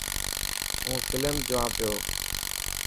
هون فلم جوان پيو.